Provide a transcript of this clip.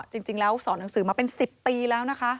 จริงแล้วสอนหนังสือมาเป็น๑๐ปีแล้วนะคะ